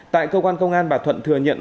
tại cơ quan công an bà thuận thừa nhận